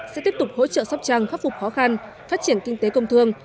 sẽ tiếp tục hỗ trợ sóc trăng khắc phục khó khăn phát triển kinh tế công thương